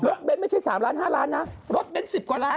เบ้นไม่ใช่๓ล้าน๕ล้านนะรถเบ้น๑๐กว่าล้าน